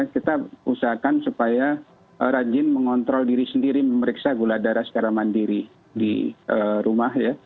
kita usahakan supaya rajin mengontrol diri sendiri memeriksa gula darah secara mandiri di rumah ya